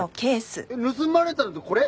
盗まれたのってこれ！？